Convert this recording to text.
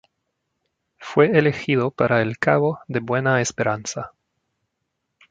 Fue elegido para el Cabo de Buena Esperanza.